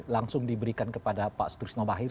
langsung diberikan kepada pak sutrisno bahir